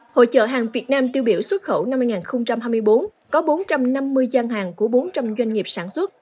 hội chợ hàng việt nam tiêu biểu xuất khẩu năm hai nghìn hai mươi bốn có bốn trăm năm mươi gian hàng của bốn trăm linh doanh nghiệp sản xuất